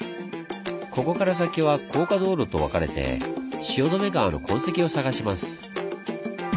ここから先は高架道路とわかれて汐留川の痕跡を探します。